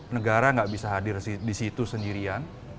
negara nggak bisa hadir di situ sendirian